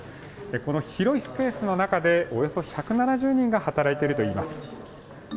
この広いスペースの中でおよそ１７０人が働いているといいます。